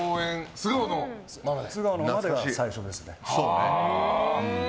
「素顔のままで」が最初ですね。